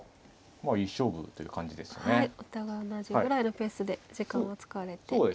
お互い同じぐらいのペースで時間を使われています。